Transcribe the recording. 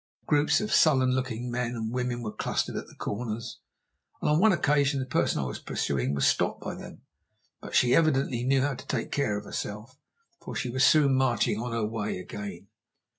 Groups of sullen looking men and women were clustered at the corners, and on one occasion the person I was pursuing was stopped by them. But she evidently knew how to take care of herself, for she was soon marching on her way again.